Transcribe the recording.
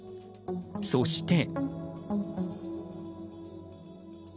そして。